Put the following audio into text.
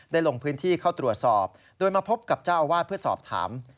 ลงพื้นที่เข้าตรวจสอบโดยมาพบกับเจ้าอาวาสเพื่อสอบถาม